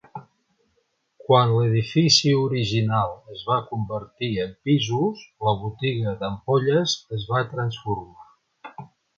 Quan l'edifici original es va convertir en pisos, la botiga d'ampolles es va transformar.